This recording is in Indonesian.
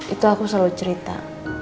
itu aku selalu cerita